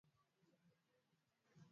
kata vipande kwa kisu au mashine